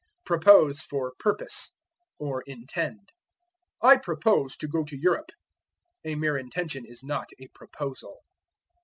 Propose for Purpose, or Intend. "I propose to go to Europe." A mere intention is not a proposal.